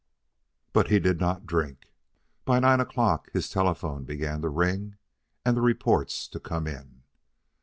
But he did not drink. By nine o'clock his telephone began to ring and the reports to come in.